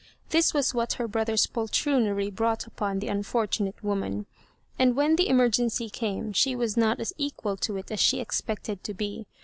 This was what her brother's poltroonery brought upon the unfor tunate woman. And when the emergency came she was not as equal to it as she expected to be.